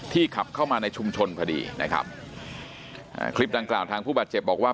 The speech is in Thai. ขับเข้ามาในชุมชนพอดีนะครับอ่าคลิปดังกล่าวทางผู้บาดเจ็บบอกว่า